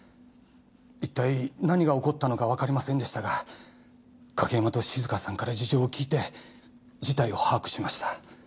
一体何が起こったのかわかりませんでしたが景山と静香さんから事情を聞いて事態を把握しました。